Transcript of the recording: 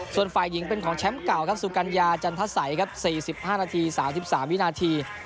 ส่วนฝ่ายหญิงเป็นของแชมป์เก่าครับสุกัญญาจันทสัยครับ๔๕นาที๓๓วินาที